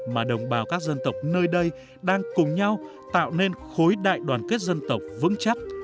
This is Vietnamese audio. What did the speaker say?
mà đồng bào các dân tộc nơi đây đang cùng nhau tạo nên khối đại đoàn kết dân tộc vững chắc